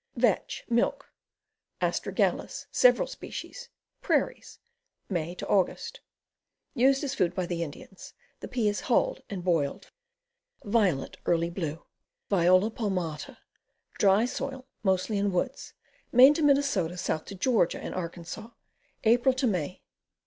Vetch, Milk. Astragalus, several species. Prairies. May Aug. Used as food by the Indians. The pea is huUed and boiled. Violet, Early Blue. Viola palmata. Dry soil, mostly in woods. Me. to Minn., south to Ga. and Ark. April May.